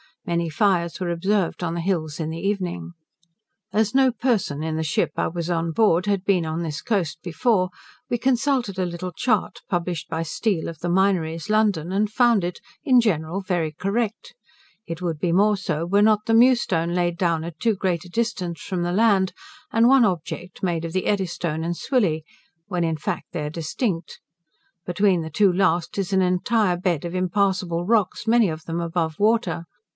Many fires were observed on the hills in the evening. As no person in the ship I was on board had been on this coast before, we consulted a little chart, published by Steele, of the Minories, London, and found it, in general, very correct; it would be more so, were not the Mewstone laid down at too great a distance from the land, and one object made of the Eddystone and Swilly, when, in fact, they are distinct. Between the two last is an entire bed of impassable rocks, many of them above water.